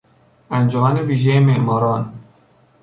انجمن ویژهی معماران